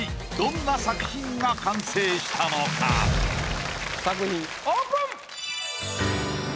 作品オープン！